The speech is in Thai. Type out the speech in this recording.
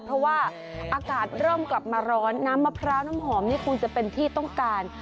เพราะว่าอากาศเริ่มกลับมาร้อนน้ำมะพร้าวน้ำหอมนี่คงจะเป็นที่ต้องการ